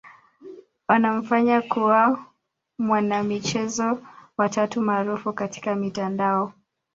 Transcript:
wanamfanya kuwa mwanamichezo wa tatu maarufu katika mitandao